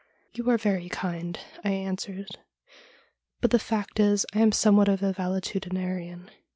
' You are very kind,' I answered ;' but the fact is, I am somewhat of a valetudinarian.